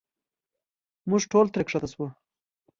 موږ ټول ترې ښکته شو.